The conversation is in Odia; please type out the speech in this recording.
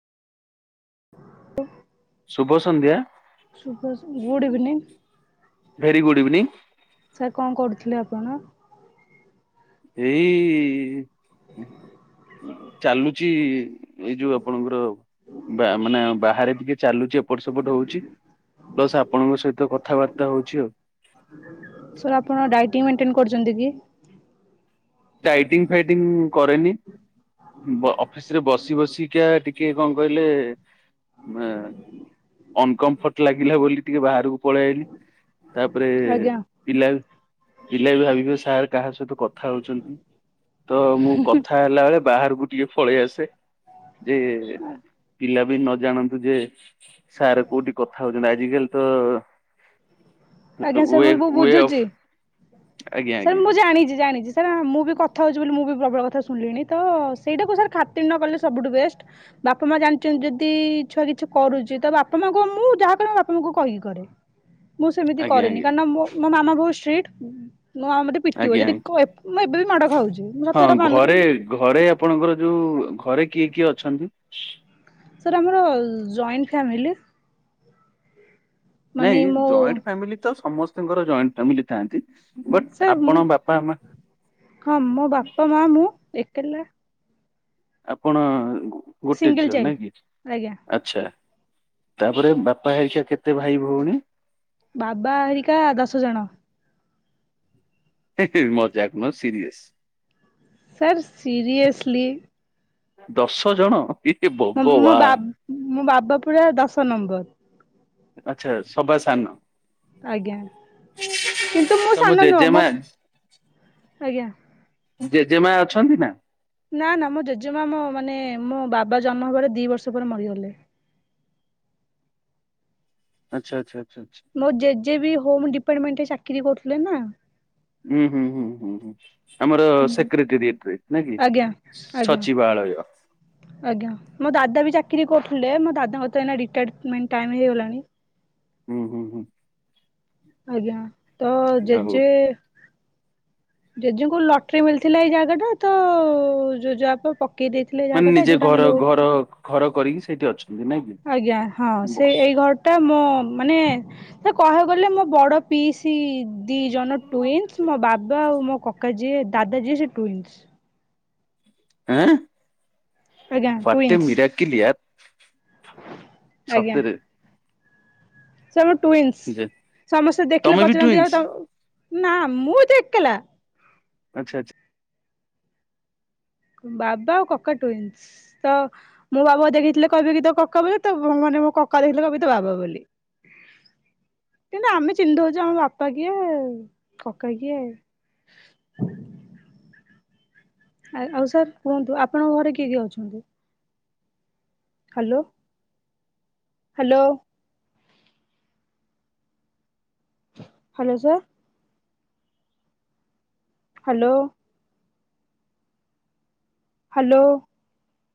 ହ ଶୁଭ ସନ୍ଧ୍ୟା good evening very good evening. Sir କଣ କରୁଥିଲେ ଆପଣ? ଏଇ ଚାଲୁଚ ଏଇ ଯୋଉ ଆପଣଙ୍କର ବା ମାନେ ବାହାରେ ଟିକେ ଚାଲୁଚି ଏପଟ ସେପଟ ହଉଛି। ପ୍ଲସ୍ ଆପଣଙ୍କ ସହିତ କଥାବାର୍ତ୍ତା ହଉଛି ଆଉ। ସାରେ ଆପଣ ଡାଇଟିଇଂ ମେଟେନ କରୁଛନ୍ତି କି? ଡାଇଟିଙ୍ଗ ଫାଇଟିଙ୍ଗ କରେନି ବ ଅଫିସ ରେ ବସି ବସି କିଆ ଟିକେ କ କହିଲେ ମେ ଅନକମ୍ଫର୍ଟ ଲାଗିଲା ବୋଲି ଟିକେ ବାହାରକୁ ପଳେଇଲି ତାପରେ ଆଜ୍ଞା ପିଲା ପିଲା ବି ଭାବିବେ ସାର୍ କାହା ସହିତ କଥା ହଉଛନ୍ତି ତ ମୁଁ କଥା ଥା ହେଲା ବେଳେ ବାହାରକୁ ଟିକେ ଫଳେଇ ଆସେ। ଯେ ପିଲା ବି ନ ଜାଣନ୍ତୁ ଯେ ସାର୍ କୋଉଠି କଥା ହଉଛନ୍ତି ଆଜ କାଲି ତ ଆଜ୍ଞା ସାର୍ ୱେ ମୁଁ ବୁ ୱେ ଅଫ୍ ବୁଝୁଛି ଆଜ୍ଞା ସାର୍ ଆଜ୍ଞା ମୁଁ ଜାଣିଛି ଜାଣିଛି ସାର୍ ମୁଁ ବି କଥା ହେଉଛି ବୋଲି ମୁଁ ବି ପ୍ରବଳ କଥା ଶୁଣିଲିଣି ତ ସେଇଟାକୁ ସାର୍ ଖାତିରି ନ କଲେ ସବୁଠୁ ବେଷ୍ଟ। ବାପା ମା ଜାଣିଛନ୍ତି ଯଦି ଛୁଆ କିଛି କରୁଛି ତ ବାପା ମାଙ୍କୁ ମୁଁ ଯାହା କରେ ବାପା ମାଙ୍କୁ କହିକି କରେ। ମୁଁ ସେମିତି ଆଜ୍ଞା ଆଜ୍ଞା କରେନି କାରଣ ମୋ ମାମା ବହୁତ ଷ୍ଟ୍ରିଟ୍ ମୋ ମାମା ମୋତେ ପିଟିିବ ଆଜ୍ଞା ଯଦି ଆଜ୍ଞା କ ଏପ୍ ମୁଁ ଏବେ ବି ମାଡ଼ ଖାଉଛି। ମୁଁ ସତ ହଁ କଥା ମାନୁଛି। ଘରେ ଘରେ ଆପଣଙ୍କର ଯୋଉ ଘରେ କିଏ କିଏ ଅଛନ୍ତି? ସାର୍ ଆମର ଜଏଣ୍ଟ ଫ୍ୟାମିଲି। ମାନେ ନାଇଁ ମୋ ଜଏଣ୍ଟ ଫ୍ୟାମିଲି ତ ସମସ୍ତଙ୍କର ଜଏଣ୍ଟ ଫ୍ୟାମିଲି ଥାନ୍ତି। ସାର୍ ମୁଁ ହଁ ମୋ ବାପା ମା ମୁଁ ଏକେଲା। ଆପଣ ଗୋଟେ ସିଙ୍ଗଲ ଝିଅ ନା ଚାଇଲ୍ଡ କି? ଆଜ୍ଞା ଆଛା ତାପରେ ବାପା ହେକା କେତେ ଭାଇ ଭଉଣୀ? ବାବା ହେରିକା ଦଶ ଜଣ। ହିଁ ହିଁ ମଜାକ୍ ନୁହଁ ସିରିୟସ। Sir seriously. ଦଶ ଜଣ ଏ ମୋ ମୋ ବା ଭଗବାନ। ମୋ ବାବା ପୁରା ଦଶ ନମ୍ବର। ଆଚ୍ଛା ସବା ସାନ। ଆଜ୍ଞା, କିନ୍ତୁ ମୁଁ ତମ ସାନ ନୁହଁ ଜେଜେମା ମୋ, ଆଜ୍ଞା। ଜେଜେମା ଅଛନ୍ତି ନା? ନା ନା ମୋ ଜେଜେମା ମୋ ମାନେ ମୋ ବାବା ଜନ୍ମ ହେବାର ଦି ବର୍ଷ ପରେ ମରିଗଲେ। ଆଚ୍ଛା, ଆଚ୍ଛା, ଆଚ୍ଛା, ଆଚ୍ଛା। ମୋ ଜେଜେ ବି ହୋମ୍ ଡିପାର୍ଟମେଣ୍ଟରେ ଚାକିରି କରୁଥିଲେ ନା। ହୁଁ, ହୁଁ, ହୁଁ, ହୁଁ, ହୁଁ ଆମର ସେକ୍ରେଟ୍ରେରୀଏରେ ନାଁ କି? ଆଜ୍ଞା ଆଜ୍ଞା ସଚିବାଳୟ। ଆଜ୍ଞା ମୋ ଦାଦା ବି ଚାକିରି କରୁଥିଲେ ମୋ ଦାଦଙ୍କର ଏଇନା ରିଟାର୍ଡ଼ମେଣ୍ଟ ଟାଇମ୍ ହେଇଗଲାଣି। ହୁଁ, ହୁଁ, ହୁଁ। ଆଜ୍ଞା, ତ ଆଉ ଜେଜେ ଜେଜଙ୍କୁ ଲଟ୍ରି ମିଳିଥିଲା ଏଇ ଜାଗାଟା ତ ଜୋଜବାପା ପକେଇ ଦେଇ ଥିଲେ ମାନେ ଜାଗାଟା ନିଜେ ଯୋଉଟା ଘର ଆମେ ରହୁ, ଘର ଘର କରିକି ସେଇଠି ଅଛନ୍ତି ନାଇଁ କି? ଆଜ୍ଞା ହଁ ସେ ବସ୍ ଏଇ ଘର ଟା ମୋ ମାନେ ସେ କହିବାକୁ ଗଲେ ମୋ ବଡ ପିଇସି ଦି ଜଣ ଟୁଇନ୍ସ, ମୋ ବାବା ଆଉ ମୋ କକା କା ଯିଏ ଦାଦା ଯିଏ ସେ ଟୁଇନ୍ସ। ଆଁ, ଆଜ୍ଞା ହ୍ୱାଟେ ଟୁଇନ୍ସ ମୀରାକିଲ୍ ୟାର୍। ସତରେ। ଛୁଆବେଳୁ ଟୁଇନ୍ସ, ଯେ ସମସ୍ତେ ଦେଖିଲେ ତମେ ବି ପଚାରନ୍ତି ଆଉ ଟୁଇନ୍ସ ତାଙ୍କୁ ନା ମୁଁ ଏତେ ଏକେଲା। ଆଚ୍ଛା, ଆଚ୍ଛା। ବାବା ଆଉ କକା ଟୁଇନ୍ସ, ତ ମୋ ବାବାକୁ ଦେଖିଥିଲେ କହିବେ କି ତ କକା ବୋଲି, ତ ମାନେ ମୋ କକା ଦେଖିଥିଲେ କହିବେ ତୋ ବାବୁ ବୋଲି। କିନ୍ତୁ ଆମେ ଚିହ୍ନି ଦଉଛୁ ଆମ ବାପା କିଏ କକା କିଏ। ଆ ଆଉ ସାର୍ କୁହନ୍ତୁ ଆପଣଙ୍କ ଘରେ କିଏ କିଏ ଅଛନ୍ତି? Hello. Hello. Hello sir? Hello. Hello.